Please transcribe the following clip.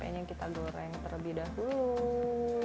tepung maizena kita akan goreng satu terlebih dahulu